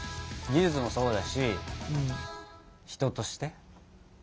技術もそうだし人として？